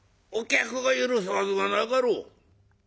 客が許すはずがなかろう。